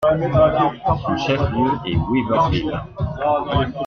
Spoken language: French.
Son chef lieu est Weaverville.